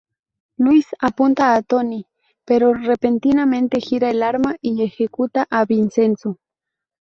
Luis apunta a Tony, pero repentinamente gira el arma y ejecuta a Vincenzo.